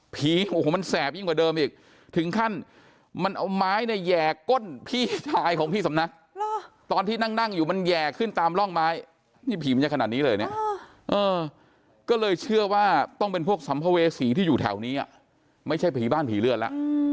โอ้โหมันแสบยิ่งกว่าเดิมอีกถึงขั้นมันเอาไม้เนี่ยแห่ก้นพี่ชายของพี่สำนักตอนที่นั่งอยู่มันแห่ขึ้นตามร่องไม้นี่ผีมันจะขนาดนี้เลยเนี่ยก็เลยเชื่อว่าต้องเป็นพวกสัมภเวษีที่อยู่แถวนี้ไม่ใช่ผีบ้านผีเลือดแล้ว